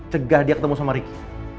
cegah dia ketemu sama ricky